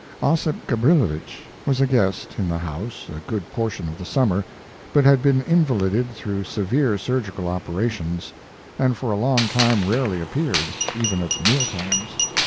Ossip Gabrilowitsch was a guest in the house a good portion of the summer, but had been invalided through severe surgical operations, and for a long time rarely appeared, even at meal times.